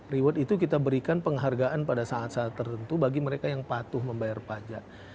reward itu kita berikan penghargaan pada saat saat tertentu bagi mereka yang patuh membayar pajak